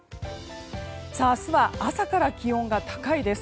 明日は朝から気温が高いです。